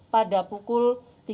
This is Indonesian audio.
pada pukul tiga belas